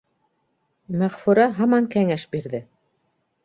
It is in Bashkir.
Мәғфүрә һаман кәңәш бирҙе: